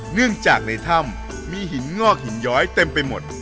เนื่องจากในถ้ำมีหินงอกหินย้อยเต็มไปหมด